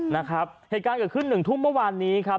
นะครับเหตุการณ์เกิดขึ้นหนึ่งทุ่มเมื่อวานนี้ครับ